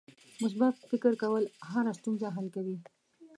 مثبت فکر کول هره ستونزه حل کوي.